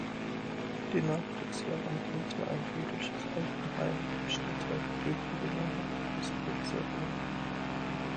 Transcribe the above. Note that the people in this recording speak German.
In den Nachkriegsjahren diente ein jüdisches Altenheim im Stadtteil Gröpelingen als Provisorium.